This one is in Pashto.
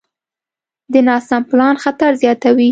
د ناسم پلان خطر زیاتوي.